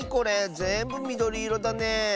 ぜんぶみどりいろだね。